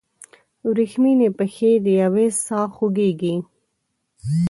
وریښمینې پښې دیوې ساه خوږیږي